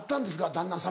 旦那様に。